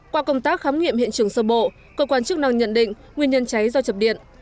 qua công tác khám nghiệm hiện trường sơ bộ cơ quan chức năng nhận định nguyên nhân cháy do chập điện